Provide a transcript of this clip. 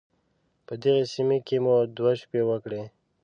په دغې سيمې کې مو دوه شپې وکړې.